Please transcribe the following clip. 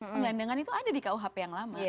penggelandangan itu ada di rkuhp yang lama